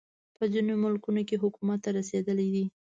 په ځینو ملکونو کې حکومت ته رسېدلی دی.